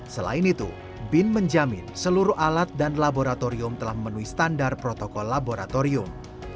selain itu bin menjamin seluruh alat dan laboratorium telah memenuhi standar protokol laboratorium